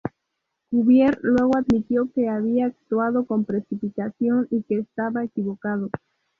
Cuvier luego admitió que había actuado con precipitación y que estaba equivocado.